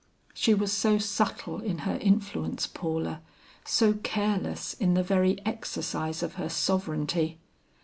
She was so subtle in her influence, Paula; so careless in the very exercise of her sovereignty.